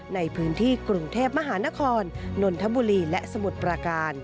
ในพื้นที่กรุงเทพมหานครนนทบุรีและสมุทรประการ